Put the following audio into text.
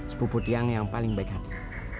sepupu tiang yang paling baik hati